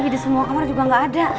di semua kamar juga nggak ada